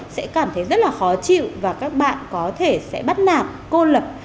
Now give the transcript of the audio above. sẽ cảm thấy rất là khó chịu và các bạn có thể sẽ bắt nạp cô lập